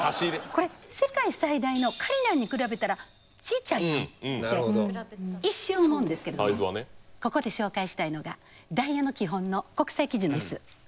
これ世界最大のカリナンに比べたらちいちゃいなって一瞬思うんですけれどもここで紹介したいのがダイヤの基本の国際基準です。